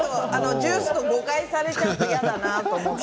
ジュースと誤解されたら嫌だなと思って。